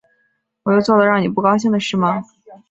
我又做了让你不高兴的事吗